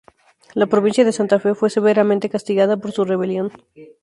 La provincia de Santa Fe fue severamente castigada por su rebelión.